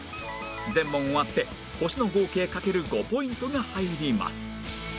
全問終わって星の合計掛ける５ポイントが入ります